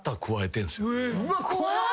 うわ怖っ！